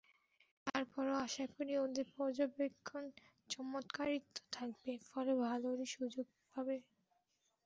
তার পরও আশা করি, ওদের পর্যবেক্ষণে চমৎকারিত্ব থাকবে, ফলে ভালোরাই সুযোগ পাবে।